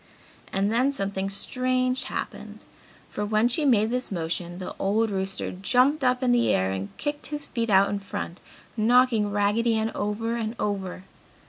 And then something strange happened, for when she made this motion the old rooster jumped up in the air and kicked his feet out in front, knocking Raggedy Ann over and over.